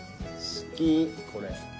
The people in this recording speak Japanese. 好きこれ。